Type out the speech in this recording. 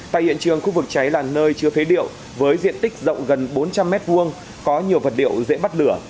tại hiện trường khu vực cháy là nơi chứa phế liệu với diện tích rộng gần bốn trăm linh mét vuông có nhiều vật liệu dễ bắt lửa